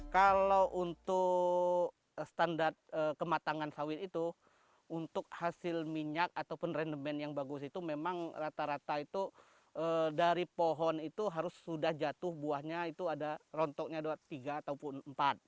kalau untuk standar kematangan sawit itu untuk hasil minyak ataupun rendemen yang bagus itu memang rata rata itu dari pohon itu harus sudah jatuh buahnya itu ada rontoknya tiga ataupun empat